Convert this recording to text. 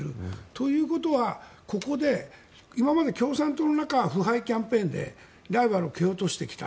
ということは、ここで今まで共産党の中腐敗キャンペーンでライバルを蹴落としてきた。